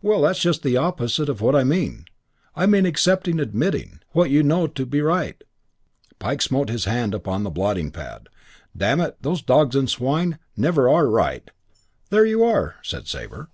"Well, that's just the opposite to what I mean. I mean accepting, admitting, what you know to be right." Pike smote his hand upon the blotting pad. "But, damn it, those dogs and swine never are right." "There you are!" said Sabre.